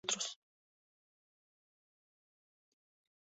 Este álbum tiene letras más maduras y oscuras que los otros.